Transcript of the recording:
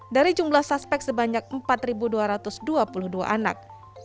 dari jumlah suspek sebanyak empat dua ratus dua puluh dua anak